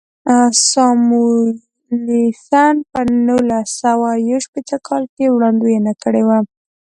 ساموېلسن په نولس سوه یو شپېته کال کې وړاندوینه کړې وه.